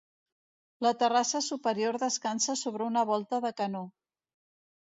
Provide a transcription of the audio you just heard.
La terrassa superior descansa sobre una volta de canó.